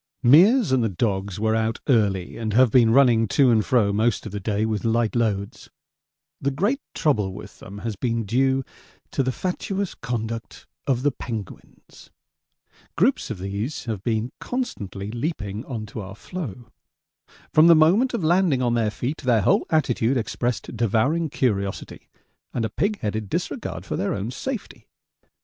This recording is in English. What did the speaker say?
Meares and the dogs were out early, and have been running to and fro most of the day with light loads. The great trouble with them has been due to the fatuous conduct of the penguins. Groups of these have been constantly leaping on to our floe. From the moment of landing on their feet their whole attitude expressed devouring curiosity and a pig headed disregard for their own safety.